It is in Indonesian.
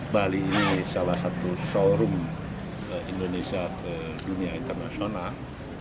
bali ini salah satu showroom indonesia ke dunia internasional